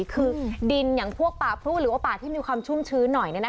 คือดินอย่างพวกป่าพรุหรือว่าป่าที่มีความชุ่มชื้นหน่อย